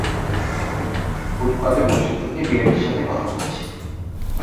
ফুটপাতে বসে থেকে, বিড়ালের সাথে কথা বলছি।